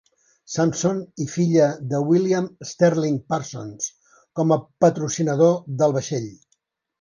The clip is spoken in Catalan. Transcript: Sampson i filla de William Sterling Parsons, com a patrocinador del vaixell.